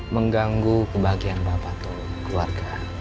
mengganggu kebahagiaan bapak atau keluarga